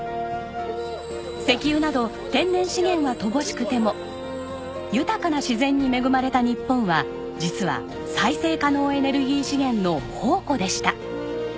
石油など天然資源は乏しくても豊かな自然に恵まれた日本は実は再生可能エネルギー資源の宝庫でした。